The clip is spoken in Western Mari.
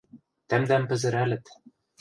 — Тӓмдӓм пӹзӹрӓлӹт...